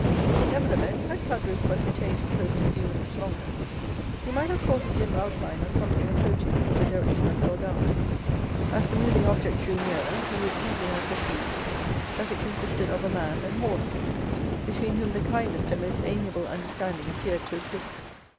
Nevertheless, had Caderousse but retained his post a few minutes longer, he might have caught a dim outline of something approaching from the direction of Bellegarde; as the moving object drew nearer, he would easily have perceived that it consisted of a man and horse, between whom the kindest and most amiable understanding appeared to exist.